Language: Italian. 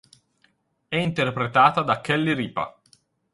È interpretata da Kelly Ripa.